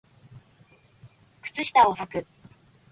靴下をはく